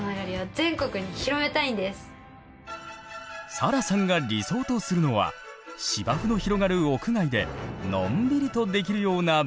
サラさんが理想とするのは芝生の広がる屋外でのんびりとできるようなＢｏｏｋｓｗａｐ。